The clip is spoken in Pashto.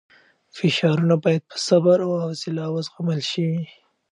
فشارونه باید په صبر او حوصله وزغمل شي.